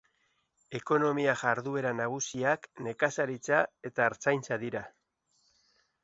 Ekonomia-jarduera nagusiak nekazaritza eta artzaintza dira.